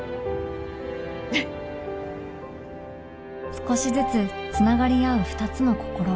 少しずつ繋がり合う２つの心